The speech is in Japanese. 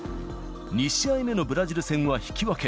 ２試合目のブラジル戦は引き分け。